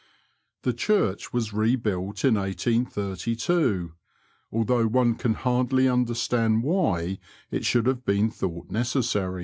The church was rebuilt in 1882, although one can hardly understand why it should have been thought necessary.